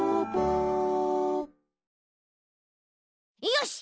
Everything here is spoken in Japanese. よし！